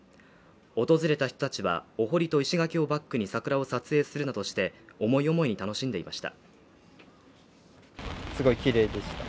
訪れた人たちは、お堀と石垣をバックに桜を撮影するなどして、思い思いに楽しんでいました。